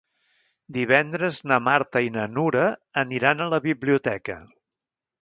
Divendres na Marta i na Nura aniran a la biblioteca.